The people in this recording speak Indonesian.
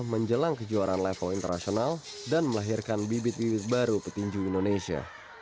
menjelang kejuaraan level internasional dan melahirkan bibit bibit baru petinju indonesia